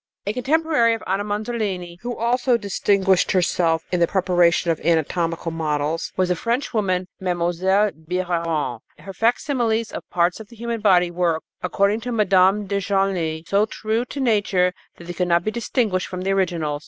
A contemporary of Anna Manzolini, who also distinguished herself in the preparation of anatomical models, was the French woman, Mlle. Biheron. Her facsimiles of parts of the human body were, according to Mme. de Genlis, so true to nature that they could not be distinguished from the originals.